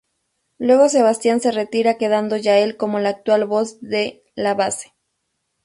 Luego Sebastián se retira, quedando Yael como la actual voz de La Base.